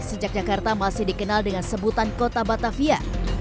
sejak jakarta masih dikenal dengan sebutan kota batavia